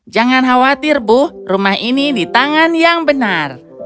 jangan khawatir bu rumah ini di tangan yang benar